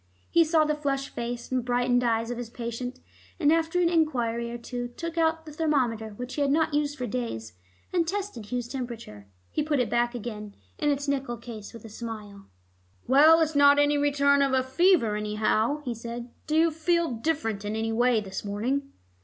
He saw the flushed face and brightened eyes of his patient, and after an enquiry or two took out the thermometer which he had not used for days, and tested Hugh's temperature. He put it back again in its nickel case with a smile. "Well, it's not any return of fever, anyhow," he said. "Do you feel different in any way this morning?"